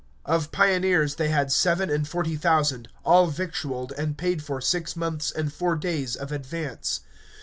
Of pioneers they had seven and forty thousand, all victualled and paid for six months and four days of advance.